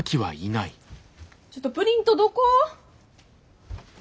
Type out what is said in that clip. ちょっとプリントどこ？